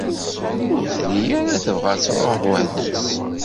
Ur telli ara tebɣa ad tṛuḥ weḥd-s.